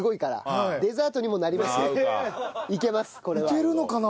いけるのかな？